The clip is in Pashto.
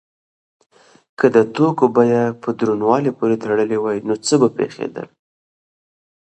که د توکو بیه په دروندوالي پورې تړلی وای نو څه به پیښیدل؟